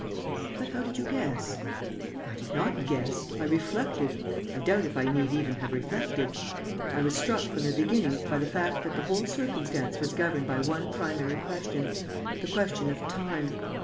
"But how did you guess?..." "I did not guess. I reflected. I doubt if I need even have reflected. I was struck, from the beginning, by the fact that the whole circumstance was governed by one primary question: the question of time.